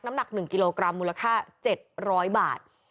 น้ำหนักหนึ่งกิโลกรัมมูลค่าเจ็ดร้อยบาท